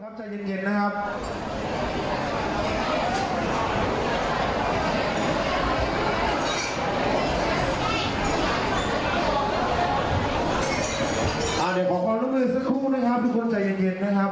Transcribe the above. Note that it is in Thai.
อ่าเดี๋ยวบอกบอกทุกคนสักครู่นะครับทุกคนใจเย็นเย็นนะครับ